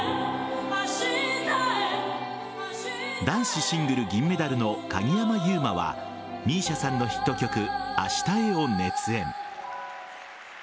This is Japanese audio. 男子シングル銀メダルの鍵山優真はＭＩＳＩＡさんのヒット曲「明日へ」を熱演。